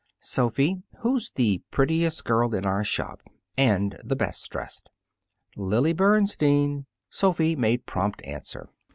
"Sophy, who's the prettiest girl in our shop? And the best dressed?" "Lily Bernstein," Sophy made prompt answer.